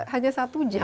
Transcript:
hanya satu jam